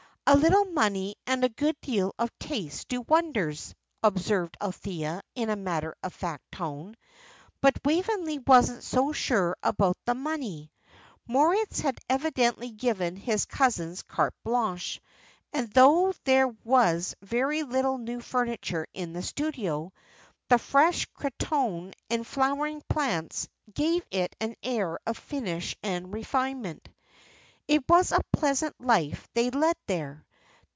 "A little money and a good deal of taste do wonders," observed Althea in a matter of fact tone. But Waveney wasn't so sure about the money. Moritz had evidently given his cousins carte blanche, and though there was very little new furniture in the studio, the fresh cretonne and flowering plants gave it an air of finish and refinement. It was a pleasant life they led there.